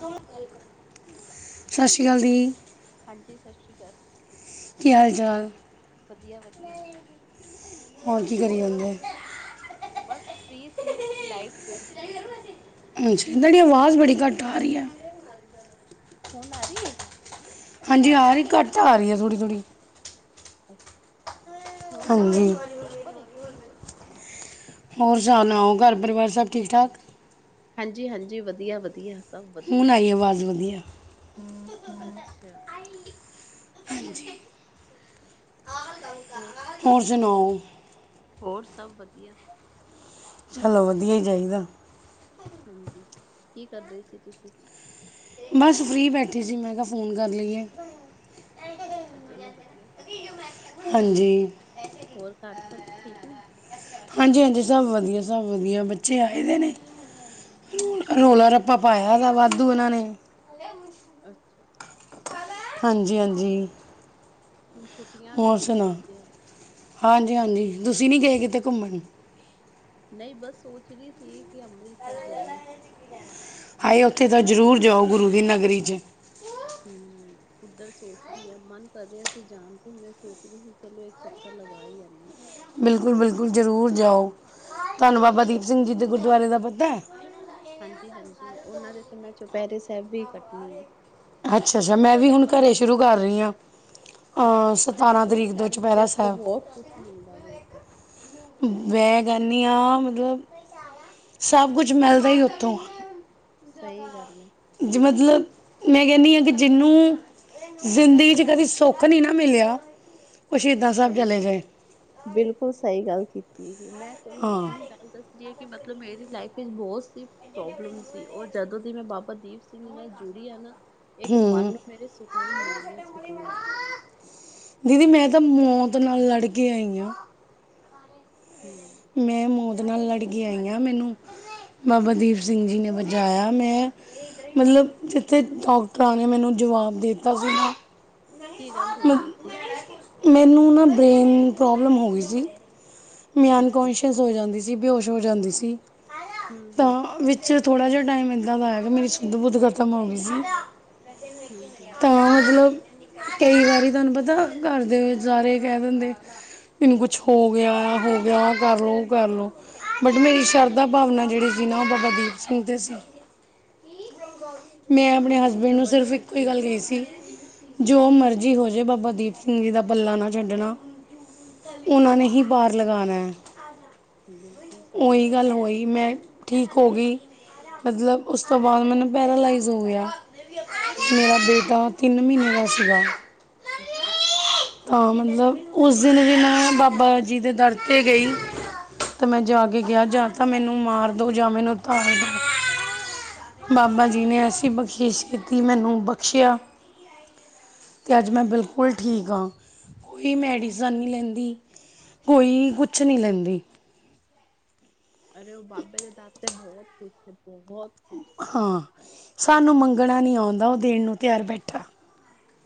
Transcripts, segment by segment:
ਹ। ਹੈਲੋ। ਸਤਿ ਸ਼੍ਰੀ ਅਕਾਲ ਜੀ। ਹਾਂਜੀ ਸਤਿ ਸ਼੍ਰੀ ਅਕਾਲ। ਕੀ ਹਾਲ ਚਾਲ? ਵਧੀਆ ਵਧੀਆ। ਹੋਰ ਕੀ ਕਰੀ ਜਾਂਦੇ ਬਸ ਫ੍ਰੀ ਸੀ ਲਾਈਟ ਗਈ ਦੀ ਏ ਹਾਂਜੀ ਤੁਹਾਡੀ ਆਵਾਜ਼ ਬੜੀ ਘੱਟ ਆ ਰਹੀ ਏ ਹੁਣ ਆ ਰਹੀ ਏ। ਹਾਂਜੀ ਆ ਰਹੀ ਘੱਟ ਆ ਰਹੀ ਏ ਥੋੜੀ ਥੋੜ੍ਹੀ। ਹੁਣ ਦੇਖੋ ਹਾਂਜੀ ਪੂਰੀ ਪ੍ਰੋਪਰ ਏ ਹੋਰ ਸਣਾਓ ਘਰ ਪਰਿਵਾਰ ਸਭ ਠੀਕ ਠਾਕ? ਹਾਂਜੀ ਹਾਂਜੀ ਵਧੀਆ ਵਧੀਆ ਸਭ ਹੁਣ ਵਧੀਆ। ਆਈ ਆਵਾਜ਼ ਵਧੀਆ ਅੱਛਾ। ਹੋਰ। ਹੋਰ ਸੁਨਾਊ। ਹੋਰ ਸਭ ਵਧੀਆ। ਚਲੋ ਵਧੀਆ ਹੀ ਚਾਹੀਦੈ ਹਾਂਜੀ ਕੀ ਕਰਦੇ ਸੀ ਤੁਸੀਂ ਬਸ ਫ੍ਰੀ ਬੈਠੀ ਸੀ ਮੈਂ ਕਿਹਾ ਫੋਨ ਕਰ ਲਈਏ। ਅੱਛਾ ਚਲੋ ਵਧੀਆ ਕੀਤਾ। ਹਾਂਜੀ। ਹੋਰ ਘਰ ਸਭ ਠੀਕ ਨੇ? ਹਾਂਜੀ ਹਾਂਜੀ ਸਭ ਵਧੀਆ ਸਭ ਵਧੀਆ ਬੱਚੇ ਆਏ ਦੇ ਨੇ ਰੋਲਾ ਰ ਆਪਾਂ ਪਾਇਆ ਦਾ ਵਾਧੂ ਉਹਨਾਂ ਨੇ ਅੱਛਾ। ਹਾਂਜੀ ਹਾਂਜੀ। ਹੁਣ ਛੁੱਟੀਆਂ ਵੀ ਹੋਰ ਨੇ ਨਾ ਸੁਣਾ ਬੱਚਿਆਂ ਦੀ ਹਾਂਜੀ ਹਾਂਜੀ ਤੁਸੀਂ ਨਹੀਂ ਗਏ ਕਿਤੇ ਘੁੰਮਣ ਨਹੀਂ ਬਸ ਸੋਚ ਰਹੀ ਸੀ ਕਿ ਅੰਮ੍ਰਿਤਸਰ ਜਾਈਏ। ਹਾਏ ਉੱਥੇ ਤਾਂ ਜ਼ਰੂਰ ਜਾਓ ਗੁਰੂ ਦੀ ਨਗਰੀ 'ਚ ਹਮ ਉੱਧਰ ਸੋਚ ਰਹੀ ਹਾਂ ਮਨ ਕਰ ਰਿਹਾ ਸੀ ਜਾਣ ਤੇ ਮੈਂ ਸੋਚ ਰਹੀ ਸੀ ਚਲੋ ਇੱਕ ਚੱਕਰ ਲਗਾ ਹੀ ਆਉਂਦੇ ਆ। ਬਿਲਕੁਲ ਬਿਲਕੁਲ ਜ਼ਰੂਰ ਜਾਓ ਤੁਹਾਨੂੰ ਬਾਬਾ ਆ। ਦੀਪ ਸਿੰਘ ਜੀ ਦੇ ਗੁਰਦੁਆਰੇ ਦਾ ਪਤੈ ਹਾਂਜੀ ਹਾਂਜੀ ਉਹਨਾਂ ਦੇ ਤੇ ਮੈਂ ਚੁਪਹਿਰੇ ਸਾਹਿਬ ਵੀ ਕੱਟਣੀ ਆ। ਅੱਛਾ ਅੱਛਾ ਮੈਂ ਵੀ ਹੁਣ ਘਰੇ ਸ਼ੁਰੂ ਕਰ ਰਹੀ ਹਾਂ। ਅ, ਅੱਛਾ ਅੱ ਤੁਸੀਂ ਤਰੀਕ ਤੋਂ ਕਰਕੇ ਚੁਪਹਿਰਾ ਦੇਖੋ ਸਾਹਿਬ ਬਹੁਤ ਕੁਛ ਮਿਲਦਾ ਵੈ ਉਥੋ। ਮੈਂ ਕਹਿਣੀ ਆਂ ਮਤਲਬ ਸਭ ਕੁਛ ਮਿਲਦਾ ਹੀ ਉੱਥੋਂ। ਸਹੀ ਗੱਲ ਐ। ਜੇ ਬਿਲਕੁਲ ਮਤਲਬ ਮੈਂ ਕਹਿਣੀ ਹਾਂ ਕਿ ਜਿਹਨੂੰ ਜ਼ਿੰਦਗੀ 'ਚ ਕਦੇ ਸੁੱਖ ਨਹੀਂ ਨਾ ਮਿਲਿਆ ਉਹ ਸ਼ਹੀਦਾਂ ਸਾਹਿਬ ਸਹੀ ਚਲੇ ਗਏ। ਬਿਲਕੁਲ ਸਹੀ ਗੱਲ ਕੀਤੀ, ਮੈਂ ਕਰੂ ਹਾਂ ਆਪਣੀ ਗੱਲ ਦੱਸ ਲਈਏ ਕਿ ਮਤਲਬ ਮੇਰੀ ਲਾਈਫ ਵਿੱਚ ਬਹੁਤ ਸੀ। ਪ੍ਰੋਬਲਮ ਸੀ, ਉਹ ਜਦੋਂ ਦੀ ਮੈਂ ਬਾਬਾ ਦੀਪ ਸਿੰਘ ਜੀ ਨਾਲ ਜੁੜੀ ਆ ਨਾ ਇੱਕ ਮਨ ਹੂੰ ਨੂੰ ਮੇਰੇ ਸਕੂਨ ਮਿਲ ਗਏ ਸਕੂਨ ਦੀਦੀ ਮੈਂ ਤਾਂ ਮੌਤ ਨਾਲ ਲੜਕੇ ਆਈ ਹਾਂ। ਹਮ। ਮੈਂ ਮੌਤ ਨਾਲ ਲੜਕੇ ਆਈ ਹਾਂ ਮੈਨੂੰ ਬਾਬਾ ਦੀਪ ਸਿੰਘ ਜੀ ਨੇ ਬਚਾਇਆ ਮੈਂ ਮਤਲਬ, ਜਿੱਥੇ ਡਾਕਟਰਾਂ ਨੇ ਮੈਨੂੰ ਜਵਾਬ ਦਿੱਤਾ ਸੀ। ਕੀ ਗੱਲ ਹੋ ਮ ਗਈ ਸੀ? ਮੈਨੂੰ ਨਾ ਬਰੇੇਨ ਪ੍ਰੋਬਲਮ ਹੋ ਗਈ ਸੀ। ਮੈਂ ਅੱਛਾ ਅਨਕੋਂਨਸ਼ੀਅਸ ਹੋ ਜਾਂਦੀ ਸੀ, ਬੇਹੋਸ਼ ਹੋ ਜਾਂਦੀ ਸੀ ਹੂੰ ਹੂੰ ਤਾਂ ਵਿੱਚ ਚ ਥੋੜ੍ਹਾ ਜਿਹਾ ਟਾਈਮ ਇੱਦਾਂ ਦਾ ਆਇਆ ਮੇਰੀ ਸ਼ੁੱਧ ਬੁੱਧ ਖ਼ਤਮ ਹੋ ਗਈ ਸੀ। ਹੂੰ ਹੂੰ ਤਾਂ ਮਤਲਬ ਕਈ ਵਾਰੀ ਤੁਹਾਨੂੰ ਪਤਾ ਘਰ ਦੇ ਸਾਰੇ ਕਹਿ ਦਿੰਦੇ ਏਨੂੰ ਕੁੱਛ ਹੋ ਗਿਆ ਆ। ਹੋ ਗਿਆ ਕਰ ਲੋ ਉਹ ਕਰ ਲੋ ਬਟ ਮੇਰੀ ਹੂੰ ਸ਼ਰਧਾ ਭਾਵਨਾ ਜਿਹੜੀ ਸੀ ਨਾ ਉਹ ਬਾਬਾ ਦੀਪ ਸਿੰਘ ਦੇ ਸੀ ਮੈਂ ਆਪਣੇ ਉਹ ਹਸਬੈਂਡ ਤੇ ਨੂੰ ਬੜੀ ਸਿਰਫ ਇੱਕੋ ਹੀ ਸੁੱਚੀ ਗੱਲ ਕਹੀ ਜਗ੍ਹਾ ਸੀ। ਜੋ ਮਰਜ਼ੀ ਹੋ ਜਾਏ ਬਾਬਾ ਦੀਪ ਸਿੰਘ ਜੀ ਦਾ ਪੱਲਾ ਨਾ ਛੱਡਣਾ ਉਹਨਾਂ ਨੇ ਹੀ ਪਾਰ ਲਗਾਉਣਾ ਹੈ। ਬਿਲਕੁਲ ਸਹੀ ਉਹੀ ਗੱਲ ਹੋਈ ਮੈਂ ਠੀਕ ਹੋ ਗਈ, ਮਤਲਬ ਉਸ ਤੋਂ ਬਾਅਦ ਮੈਨੂੰ ਪੈਰਾਲਾਈਜ਼ ਹੋ ਗਿਆ। ਹੂੰ ਹੂੰ ਮੇਰਾ ਬੇਟਾ ਤਿੰਨ ਮਹੀਨੇ ਦਾ ਸੀਗਾ। ਅੱਛਾ। ਤਾਂ ਮਤਲਬ ਉਸ ਦਿਨ ਜ ਮੈਂ ਬਾਬਾ ਜੀ ਦੇ ਦਰ ਤੇ ਗਈ। ਤਾਂ ਮੈਂ ਜਾ ਕੇ ਗਿਆ ਜਾਂ ਤਾਂ ਮੈਨੂੰ ਮਾਰ ਦੋ ਜਾਂ ਮੈਨੂੰ ਤਾਰ ਦੋ। ਬਾਬਾ ਜੀ ਨੇ ਐਸੀ ਬਖਸ਼ਿਸ਼ ਕੀਤੀ ਮੈਨੂੰ ਬਖਸ਼ਿਆ ਤੇ ਅੱਜ ਮੈਂ ਬਿਲਕੁਲ ਠੀਕ ਹਾਂ ਕੋਈ ਮੈਡੀਸਨ ਨਹੀਂ ਲੈਂਦੀ ਕੋਈ ਕੁਛ ਨਹੀਂ ਲੈਂਦੀ ਅਰੇ ਉਹ ਬਾਬੇ ਦੇ ਦਰ ਤੇ ਬਹੁਤ ਕੁੱਛ -ਬਹੁਤ ਕੁੱਛ। ਹਾਂ, ਸਾਨੂੰ ਮੰਗਣਾ ਨੀ ਆਉਂਦਾ ਉਹ ਦੇਣ ਨੂੰ ਤਿਆਰ ਬੈਠਾ।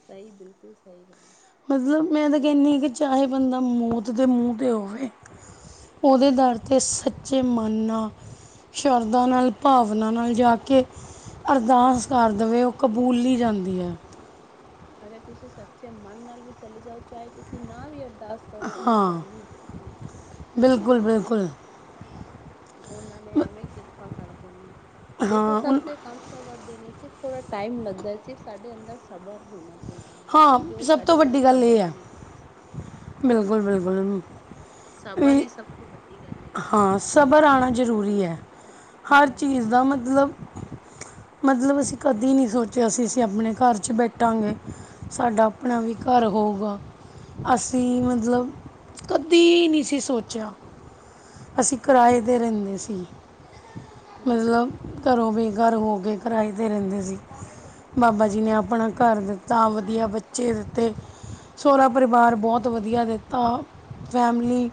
ਸਹੀ ਬਿਲਕੁਲ ਸਹੀ ਗੱਲ ਹੈ। ਮਤਲਬ ਮੈਂ ਤੇ ਕਹਿੰਦੀ, ਕਿ ਚਾਹੇ ਬੰਦਾ ਮੌਤ ਦੇ ਮੂੰਹ ਤੇ ਹੋਵੇ। ਉਦੇ ਦਰ ਤੇ ਸੱਚੇ ਮਨ ਨਾਲ ਸ਼ਰਦਾ ਨਾਲ, ਭਾਵਨਾ ਨਾਲ ਜਾ ਕੇ ਅਰਦਾਸ ਕਰ ਦੇਵੇ ਉਹ ਕਬੂਲੀ ਜਾਂਦੀ ਹੈ। ਅਰੇ ਤੁਸੀ ਸੱਚੇ ਮਨ ਨਾਲ ਵੀ ਚਲੇ ਜਾਓ, ਚਾਹੇ ਤੁਸੀਂ ਨਾ ਵੀ ਅ ਅਰਦਾਸ ਕਰੋ, ਉ ਹਾਂ ਜਾਨੀ ਜਾਨ ਏ। ਬਿਲਕੁਲ, ਬਿਲਕੁਲ। ਉਨਾਂ ਨੇ ਐਵੇਂ ਕਿਰਪਾ ਕਰ ਦੇਣੀ ਏ। ਦੇਖੋ ਹਾਂ ਉਨ ਸਭ ਦੇ ਕੰਮ ਸਿਰਫ ਥੋੜਾ ਟਾਈਮ ਲੱਗਦਾ, ਸਿਰਫ ਸਾਡੇ ਅੰਦਰ ਸਬਰ ਹੋਨਾ ਚ ਹਾਂ ਜੋ ਸਭ ਤੋਂ ਸਾਡੇ ਅੰਦਰ ਵੱਡੀ ਗੱਲ ਇਹ ਸਬਰ ਹੈ ਨੀ। ਬਿਲਕੁਲ ਬਿਲਕੁਲ ਹੂੰ--ਸਬਰ ਵੀ ਈ ਸਭ ਤੋਂ ਵੱਡੀ ਗੱਲ ਹੈਗੀ। ਹਾਂ ਸਬਰ ਆਉਣਾ ਜ਼ਰੂਰੀ ਹੈ ਹਰ ਹੂੰ, ਚੀਜ਼ ਦਾ ਮਤਲਬ ਮਤਲਬ ਅਸੀਂ ਕਦੇ ਨਹੀਂ ਸੋਚਿਆ ਸੀ ਅਸੀਂ ਆਪਣੇ ਘਰ ਚ ਬੈਠਾਂਗੇ ਸਾਡਾ ਆਪਣਾ ਵੀ ਘਰ ਹੋਊਗਾ, ਸਹੀ ਅਸੀਂ ਮਤਲਬ ਕਦੀ ਨਹੀਂ ਸੀ ਸੋਚਿਆ। ਅਸੀ ਕਿਰਾਏ ਤੇ ਰੈਂਦੇ ਸੀ। ਹੂੰ, ਮਤਲਬ ਘਰੋਂ ਬੇਕਾਰ ਹੋ ਗਏ ਕਿਰਾਏ ਤੇ ਰਹਿੰਦੇ ਸੀ। ਬਾਬਾ ਜੀ ਨੇ ਅਪਣਾ ਘਰ ਦਿੱਤਾ, ਵਧੀਆ ਬੱਚੇ ਦਿੱਤੇ। ਸੋਰਾ ਪਰਿਵਾਰ ਬਹੁਤ ਵਧੀਆ ਦਿੱਤਾ ਫੈਮਲੀ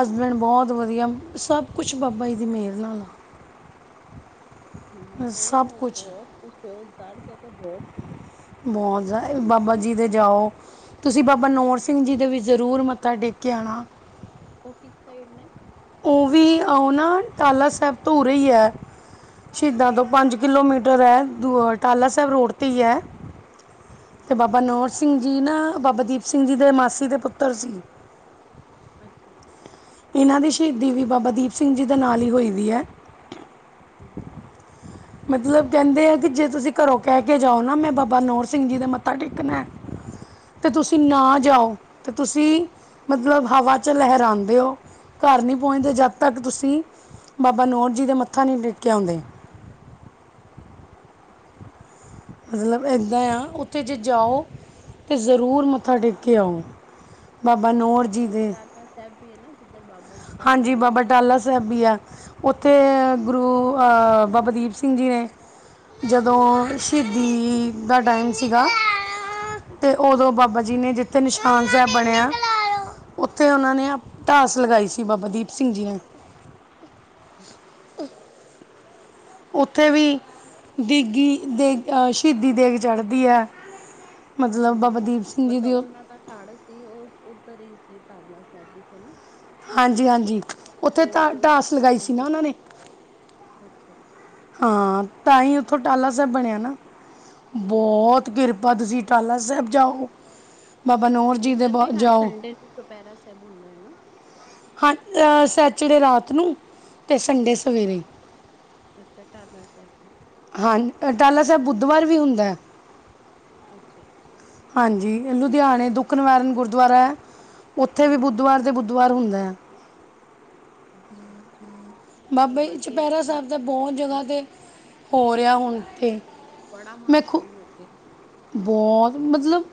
ਹਸਬੈਂਡ ਬਹੁਤ ਵਧੀਆ, ਸਭ ਕੁਛ ਬਾਬਾ ਜੀ ਦੀ ਮੇਰ ਨਾਲ ਆ। ਹੂੰ ਨਹੀਂ ਸਭ ਉ ਕੁਝ ਬਹੁਤ ਕੁਛ ਏ, ਉਸ ਦਰ ਤੇ ਤੇ ਬਹੁਤ ਕੁਛ ਏ। ਮੌਜ ਆਏ ਬਾਬਾ ਜੀ ਦੇ ਜਾਓ ਤੁਸੀ ਬਾਬਾ ਨੋੌਰ ਸਿੰਘ ਜੀ ਦੇ ਵੀ ਜ਼ਰੂਰ ਮੱਥਾ ਟੇਕ ਕੇ ਆਣਾ। ਉਹ ਕਿਸ ਸਾਈਡ ਨੇ? ਉ ਵੀ ਉ ਨਾ ਟਾਲਾ ਸਾਹਿਬ ਤੋਂ ਉਰੇ ਈ ਐ। ਸ਼ੀਦਾਂ ਤੋਂ ਪੰਜ ਕਿਲੋਮੀਟਰ ਐ, ਟਾਲਾ ਸਾਹਿਬ ਰੋਡ ਤੇ ਈ ਐ। [unintelligible] ਤੇ ਬਾਬਾ ਨੌਰ ਸਿੰਘ ਜੀ ਨਾ, ਬਾਬਾ ਦੀਪ ਸਿੰਘ ਜੀ ਦੇ ਮਾਸੀ ਦੇ ਪੁੱਤਰ ਸੀ। ਅੱਛਾ, ਅੱਛਾ। ਇਨਾਂ ਦੀ ਸ਼ਹੀਦੀ ਵੀ ਬਾਬਾ ਦੀਪ ਸਿੰਘ ਜੀ ਦੇ ਨਾਲ ਈ ਹੋਈ ਵੀ ਐ। ਹੂ,,, ਮਤਲਬ ਕੈਂਦੇ ਐ ਕੇ ਜੇ ਤੁਸੀਂ ਘਰੋਂ ਕਹਿ ਕੇ ਜਾਓ ਨਾ, ਮੈਂ ਬਾਬਾ ਨੋੌਰ ਸਿੰਘ ਜੀ ਦੇ ਮੱਥਾ ਟੇਕਣਾ ਤੇ ਹੂੰ ਤੁਸੀਂ ਹੂੰ ਨਾ ਜਾਓ। ਤੇ ਤੁਸੀਂ ਮਤਲਬ ਹਵਾ ਚ ਲਹਰਾਂਦੇ ਔ। ਘਰ ਨੀ ਪੋਂਚਦੇ, ਜਦ ਤੱਕ ਤੁਸੀਂ ਬਾਬਾ ਨੋਰ ਜੀ ਦੇ ਮੱਥਾ ਨੀ ਟੇਕ ਕੇ ਆਂਦੇ। ਅੱਛਾ ਮਤਲਬ ਏਦਾਂ ਆਂ ਉੱਥੇ ਜੇ ਜਾਓ ਤੇ ਜ਼ਰੂਰ ਮੱਥਾ ਟੇਕ ਕੇ ਆਓ ਬਾਬਾ ਨੌਰ ਜੀ ਦੇ। ਸੈਬ ਵੀ ਏ ਨਾ ਜਿੱਦਰ ਬਾਬਾ ਜੀ ਦਾ ਹਾਂਜੀ ਜਨਮ ਬਾਬਾ ਟਾਲਾ ਹੂੰ ਸਾਹਿਬ ਵੀ ਐ ਔਥੇ ਹੂੰ ਗੁਰੂ ਅ ਬਾਬਾ ਦੀਪ ਸਿੰਘ ਜੀ ਨੇ ਜਦੋਂ ਸ਼ਹੀਦੀ ਦਾ ਟਾਈਮ ਸੀਗਾ। ਹੂੰ ਤੇ ਔਦੋਂ ਬਾਬਾ ਜੀ ਨੇ ਜਿੱਥੇ ਨਿਸ਼ਾਨ ਸਾਹਿਬ ਬਣਿਆ, ਔਥੇ ਹੂੰ ਔਨਾ ਨੇ ਟਾਸ ਲਗਾਈ ਸੀ ਬਾਬਾ ਦੀਪ ਸਿੰਘ ਜੀ ਨੇ। ਅੱਛਾ [inaudible] ਔਥੇ ਵੀ ਦੀਗੀ ਦੇਗ ਸ਼ਹੀਦੀ ਦੇਗ ਚੜਦੀ ਐ। ਹੂੰ ਹੂੰ ਮਤਲਬ ਔਨਾਂ ਦਾ ਤੜ ਸੀ, ਔ ਉਧਰ ਈ ਸੀ ਟਾਲਾ ਸਾਹਿਬ ਵਿਚ ਹੈਨਾ? ਹਾਂਜੀ, ਹਾਂਜੀ ਔਥੇ ਤਾਂ ਟਾਸ ਲਗਾਈ ਹੂੰ ਸੀ ਨਾ ਹੂੰ ਔਨਾਂ ਨੇ। ਅੱਛਾ, ਅੱਛਾ। ਹਾਂ ਤਾਈ ਉੱਥੋਂ ਟਾਲਾ ਸੈਬ ਬਣਿਆ ਨਾ। ਹੂੰ ਹੂੰ ਬਹੁਤ ਕਿਰਪਾ ਤੁਸੀਂ ਟਾਲਾ ਸਾਹਿਬ ਜਾਓ, ਬਾਬਾ ਨੌਰ ਜੀ ਦੇ ਬ ਜਾਓ। ਚੋਪੈਰਾ ਸਾਹਿਬ ਹੋਂਦੈ ਹੈਨਾ? ਹਾਂ ਅ ਸੈਚਡੇ ਰਾਤ ਨੂੰ। ਅਤੇ ਹੂ ਸੰਡੇ ਸਵੇਰੇ ਅੱਛਾ ਟਾਲਾ ਸਾਹਿਬ। ਹਾਂ, ਅਟਾਲਾ ਸਾਹਿਬ ਬੁੱਧਵਾਰ ਵੀ ਹੁੰਦਾ। ਅੱਛਾ। ਹਾਂਜੀ, ਲੁਧਿਆਣੇ ਦੁੱਖ ਨਿਵਾਰਨ ਗੁਰਦੁਆਰਾ ਹੈ, ਉੱਥੇ ਵੀ ਹੂੰ ਬੁੱਧਵਾਰ ਦੇ ਬੁੱਧਵਾਰ ਹੁੰਦਾ ਹੈ। ਅੱਛਾ ਔਰ ਬਾਬਾ ਜੀ, ਬਾਕੀ ਚੁਪਹਿਰਾ ਇਹ ਸਾਹਿਬ ਦਾ। ਬਹੁਤ ਜਗਾ ਤੇ ਹੋ ਰਿਹਾ ਹੁਣ ਤੇ। ਬੜਾ ਮਹੱਤਮ ਹੋ ਕੇ। ਬਹੁਤ ਮਤਲਬ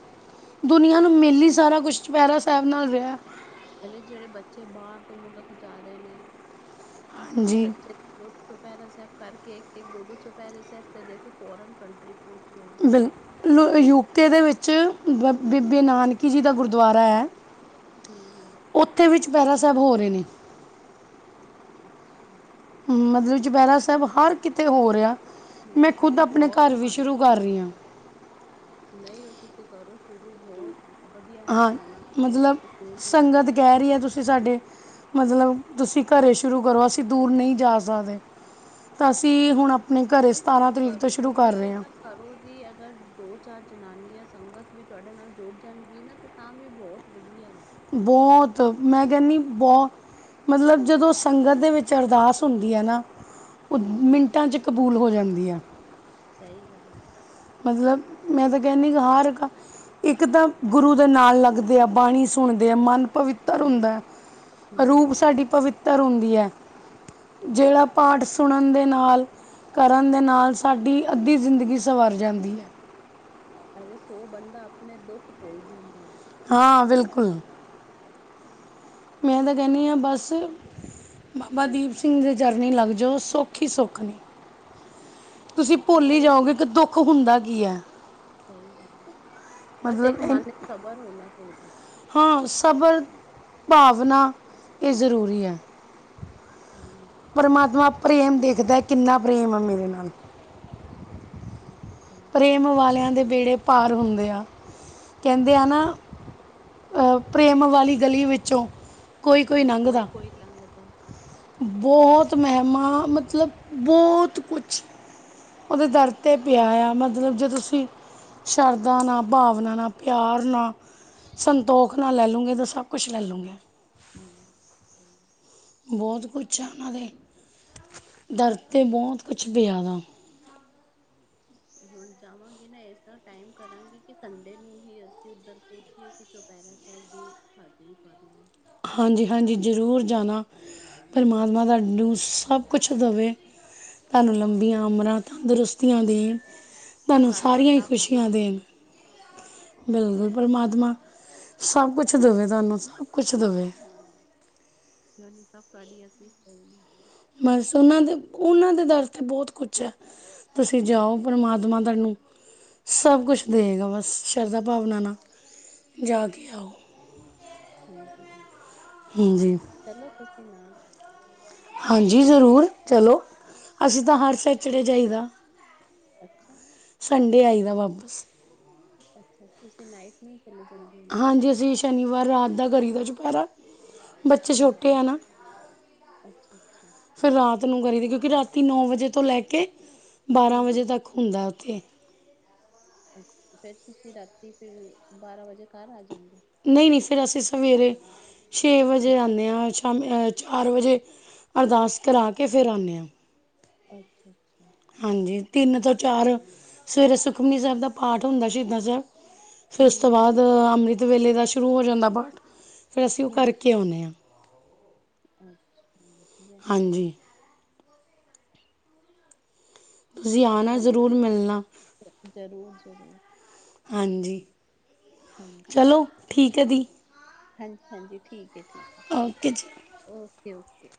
ਦੁਨੀਆ ਨੂੰ ਮਿਲ ਹੀ ਸਾਰਾ ਕੁਛ ਚੁਪਹਿਰਾ ਸਾਹਿਬ ਨਾਲ ਰਿਹਾ। ਕੇ ਜਿਹੜੇ ਬੱਚੇ ਬਾਹਰ ਦੇ ਮੁਲਕ ਜਾ ਰਹੇ ਨੇ ਹਾਂਜੀ ਸੱਚੇ ਦਿਲੋ। ਚੁਪਹਿਰਾ ਸਾਹਿਬ ਕਰਕੇ ਇੱਕ ਇੱਕ ਦੋ ਦੋ ਚੁਪਹਿਰੇ ਸਾਹਿਬ ਤੇ ਦੇਖੋ ਫੋਰਨ ਕੰਟਰੀ ਪਹੁੰਚ ਰਹੇ। ਬਿਲ ਲੂ ਯੂਕੇ ਦੇ ਵਿੱਚ ਬ ਬੀਬੀ ਨਾਨਕੀ ਜੀ ਦਾ ਗੁਰਦੁਆਰਾ ਹੈ। ਹੂ ਹੂ। ਉੱਥੇ ਵੀ ਚੁਪਹਿਰਾ ਸਾਹਿਬ ਹੋ ਰਹੇ ਨੇ। ਅੱਛਾ। ਮਤਲਬ ਚੁਪਹਿਰਾ ਸਾਹਿਬ ਹਰ ਕਿਤੇ ਹੋ ਰਿਹਾ ਮੈਂ ਹੂੰ ਖੁਦ ਹੁਣ ਆਪਣੇ ਬਹੁਤ ਘਰ ਵੀ ਸ਼ੁਰੂ ਮਹਾਨਤਾ ਕਰ ਹੋ ਗਈ ਰਹੀ ਹਾਂ। ਨਹੀਂ, ਉਹ ਤੁਸੀਂ ਕਰੋ ਸ਼ੁਰੂ ਹੋਰ। ਵਧੀਆ। ਹਾਂ ਆਨੰਦ ਆਏਗਾ ਮਤਲਬ, ਸਕੂਨ ਮਿਲਦਾ ਸੰਗਤ ਵੇ ਕਿਹ ਰਹੀ ਹੈ, ਤੁਸੀਂ ਸਾਡੇ। ਮਤਲਬ, ਤੁਸੀਂ ਘਰੇ ਸ਼ੁਰੂ ਕਰੋ, ਅਸੀਂ ਦੂਰ ਨਹੀਂ ਜਾ ਸਕਦੇ। ਤਾਂ, ਅਸੀਂ ਹਾਂ ਹੁਣ ਤੁਸੀਂ ਆਪਣੇ ਘਰੇ ਸਤਾਰਾਂ ਤਰੀਕ ਤੋਂ, ਸ਼ੁਰੂ ਕਰ ਰਹੇ ਹਾਂ। ਘਰੋਂ ਦੀ ਅਗਰ ਦੋ ਚਾਰ ਜਨਾਨੀਆਂ, ਸੰਗਤ ਵੀ ਤੁਹਾਡੇ ਨਾਲ ਜੁੜ ਜਾਣਗੀਆ ਨਾ ਤੇ। ਤਾਂ ਵੀ, ਬਹੁਤ ਵਧੀਆ। ਬਹੁਤ, ਮੈਂ ਕਹਿੰਦੀ ਬਹੁਤ। ਮਤਲਬ, ਜਦੋਂ ਸੰਗਤ ਦੇ ਵਿੱਚ ਅਰਦਾਸ ਹੁੰਦੀ ਹੈ ਨਾ। ਉਹ ਹੂੰ ਮਿੰਟਾਂ ਚ', ਕਬੂਲ ਹੋ ਜਾਂਦੀ ਹੈ। ਸਹੀ ਗੱਲ। ਮਤਲਬ, ਮੈਂ ਤਾਂ ਕਹਿੰਦੀ, ਕਿ ਹਰ ਇੱਕ। ਇੱਕ ਤਾਂ ਗੁਰੂ ਦੇ ਨਾਲ ਲੱਗਦੇ ਆ ਬਾਣੀ ਸੁਣਦੇ ਆ ਮਨ ਪਵਿੱ। ਤਰ, ਸਹੀ ਹੁੰਦਾ ਰੂਪ ਹੂੰ ਸਾਡੀ ਪਵਿੱਤਰ ਹੁੰਦੀ ਹੈ, ਸਹੀ ਜਿਹੜਾ ਸਹੀ ਪਾਠ ਸੁਣਨ ਦੇ ਨਾਲ ਕਰਨ ਦੇ ਨਾਲ, ਸਾਡੀ ਅੱਧੀ ਜ਼ਿੰਦਗੀ ਸਵਰ ਜਾਂਦੀ ਹੈ। ਅਰੇ ਸੋ ਬੰਦਾ, ਆਪਣੇ ਦੁੱਖ ਭੁੱਲ ਜਾਂਦਾ। ਹਾਂ, ਬਿਲਕੁਲ। ਮੈਂ ਤਾਂ ਕਹਿਨੀ ਆ, ਬਸ। ਬਾਬਾ ਦੀਪ ਸਿੰਘ ਜੀ ਦੇ ਚਰਨੀ ਲੱਗ ਜਾਓ, ਸੁੱਖ ਹੀ ਸੁੱਖ ਨੇ। ਤੁਸੀਂ ਭੁੱਲ ਪੂਰੇ ਹੀ ਜਾਓਗੇ ਸੋ। ਕਿ ਦੁੱਖ ਹੁੰਦਾ ਕੀ ਹੈ ਸਹੀ ਗੱਲ ਹੈ, ਬਸ ਮਤਲਬ ਇੱਕ ਇਹ ਮਨ ਚ ਸਬਰ ਹੋਣਾ ਚਾਹੀਦਾ। ਹਾਂ, ਸਬਰ, ਭਾਵਨਾ ਇਹ ਜ਼ਰੂਰੀ ਹੈ। ਹਮ। ਪ੍ਰਮਾਤਮਾ ਪ੍ਰੇਮ ਦੇਖਦਾ ਕਿੰਨਾ ਪ੍ਰੇਮ ਆ, ਮੇਰੇ ਨਾਲ। ਬਿਲਕੁਲ ਸਹੀ। ਗੱਲ। ਪ੍ਰੇਮ ਵਾਲਿਆਂ ਦੇ, ਬੇੜੇ ਪਾਰ ਹੁੰਦੇ ਆ, ਕਹਿੰਦੇ ਆ ਹਾਂ ਨਾ। ਅਹ ਪ੍ਰੇਮ ਵਾਲੀ ਗਲੀ ਵਿੱਚੋਂ, ਕੋਈ -ਕੋਈ ਹੂੰ ਲੰਘਦਾ। ਕੋਈ ਲੰਘਦਾ ਬਹੁਤ ਮਹਿਮਾ ਮਤਲਬ, ਬਹੁਤ ਕੁਛ। ਉਹਦੇ ਦਰ ਤੇ ਪਿਆ ਆ ਮਤਲਬ, ਜਦੋਂ ਅਸੀਂ। ਸ਼ਰਧਾ ਨਾਲ, ਭਾਵਨਾ ਨਾਲ, ਪਿਆਰ ਨਾਲ। ਸੰਤੋਖ ਨਾਲ, ਲੈ ਲੂੰਗੇ ਤਾਂ, ਸਭ ਕੁਛ ਲੈ ਲੂੰਗੇ। ਹਮ। ਬਹੁਤ ਕੁਛ ਹੈ, ਉਹਨਾਂ ਦੇ ਦਰ ਤੇ, ਬਹੁਤ ਕੁਛ ਪਿਆ ਦਾ ਹੁਣ ਜਾਵਾਂਗੇ ਨਾ, ਐਸਾ ਟਾਈਮ ਕਰਾਂਗੇ, ਕਿ ਸੰਡੇ ਨੂੰ ਹੀ ਅਸੀਂ ਉੱਧਰ ਪਹੁੰਚੇ। ਕਿ, ਚੌਪਹਿਰਾ ਸਾਹਿਬ ਵੀ ਦੀ ਹਾਜ਼ਰੀ ਭਰ ਲਾ। ਹਾਂਜੀ- ਹਾਂਜੀ, ਜ਼ਰੂਰ ਜਾਣਾ, ਪ੍ਰਮਾਤਮਾ ਤੁਹਾਨੂੰ ਸਭ ਕੁਛ ਦੇਵੇ, ਤੁਹਾਨੂੰ ਲੰਬੀਆਂ ਉਮਰਾਂ, ਤੰਦਰੁਸਤੀਆਂ ਦੇਣ। ਤੁਹਾਨੂੰ ਸਰਬਤ ਸਾਰੀਆਂ ਹੀ, ਦਾ ਖੁਸ਼ੀਆਂ ਭਲਾ ਦੇਣ। ਹੋਏ ਬਿਲਕੁਲ ਪ੍ਰਮਾਤਮਾ, ਸਬ ਕੁਛ ਦਵੇ ਤੁਆਨੂੰ ਸਭ ਕੁਛ [unintelligible] ਕਿਉਂ ਨੀ, ਸਭ ਤੁਹਾਡੀ ਅਸੀਂਸਾਂ ਨੇ। ਬਸ ਉਹਨਾਂ ਦੇ, ਉਹਨਾਂ ਦੇ ਦਰ ਤੇ, ਬਹੁਤ ਕੁਛ ਹੈ, ਤੁਸੀਂ ਹੂੰ ਜਾਓ। ਪਰਮਾਤਮਾ ਤਾਨੂੰ ਸਭ ਕੁਛ ਦੇਗਾ, ਬਸ ਸ਼ਰਧਾ ਭਾਵਨਾ ਨਾਲ। ਜਾ ਕੇ ਆਓ। ਹਾਂਜੀ- ਹਾਂਜੀ, ਹਾਂਜੀ ਚਲੋ ਤੁਸੀਂ ਨਾਲ। ਹਾਂਜੀ ਜ਼ਰੂਰ, ਚਲੋ ਅਸੀਂ ਤਾਂ ਹਰ ਸੈਚਰਡੇ ਜਾਈਦਾ। ਅੱਛਾ। ਸੰਡੇ, ਆਈ ਦਾ ਵਾਪਸ। ਅੱਛਾ, ਤੁਸੀਂ ਨਾਈਟ ਨੂੰ [unintelligible] ਹਾਂਜੀ, ਅਸੀਂ ਸ਼ਨੀਵਾਰ ਰਾਤ ਦਾ ਕਰੀ ਦਾ ਚੁਪੈਰਾ। ਬੱਚੇ ਹੂੰ ਸੋ਼ਟੇ ਆ ਨਾ। ਅੱਛਾ ਅੱਛਾ ਫੇਰ ਰਾਤ ਨੂੰ ਕਰੀਦੀ, ਕਿਉਕਿ ਰਾਤੀ ਨੌ ਵਜੇ ਤੋਂ ਲੈ ਕੇ, ਹੂੰ ਬਾਰਾਂ ਹੂੰ ਵਜੇ ਤੱਕ ਹੁੰਦਾ ਓਥੇ। ਅੱ ਫੇਰ ਤੁਸੀਂ ਰਾਤੀ ਫਿਰ, ਬਾਰਾਂ ਵਜੇ ਘਾਰ ਆ ਜਾਂਦੇ ਓ? ਨਈ, ਨਈ ਫਿਰ ਅਸੀਂ ਸਵੇਰੇ ਛੇ ਵਜੇ ਆਂਨੇ ਆ, ਸ਼ਾਮੀ ਚਾਰ ਵਜੇ ਅਰਦਾਸ ਕਰਾ ਕੇ, ਫੇਰ ਆਂਨੇ ਆ। ਅੱਛਾ, ਅੱਛਾ। ਹਾਂਜੀ, ਤਿੰਨ ਤੋਂ ਚਾਰ, ਸਵੇਰੇ ਸੁਖਮਨੀ ਸੈਬ ਦਾ ਪਾਠ ਹੁੰਦਾ ਸ਼ਹੀਦਾਂ ਸੈਬ ਫੇਰ ਹੂੰ ਓਸ ਤੋਂ ਹੂੰ ਬਾਦ ਅੰਮ੍ਰਿਤ ਵੇਲੇ ਦਾ ਸ਼ੁਰੂ ਹੋ ਜਾਂਦਾ ਪਾਠ, ਫੇਰ ਅਸੀਂ ਓ ਕਾਰਕੇ ਆਉਂਨੇ ਆਂ। ਅਛਾ, ਵਦੀਆ। ਹਾਂਜੀ ਤੁਸੀਂ ਆਨਾ ਜਰੂਰ ਮੇਲਨਾ। ਜਰੂਰ, ਜਰੂਰ। ਹਾਂਜੀ, ਹਾਂਜੀ। ਚਲੋ ਠੀਕ ਐ ਦੀ। ਹਾਂਜੀ, ਹਾਂਜੀ ਠੀਕ ਏ ਠੀਕ ਏ। ਓਕੇ ਜੀ। Okay, okay.